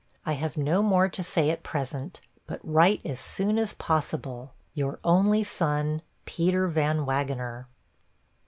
I have no more to say at present, but write as soon as possible. 'Your only son, 'PETER VAN WAGENER.'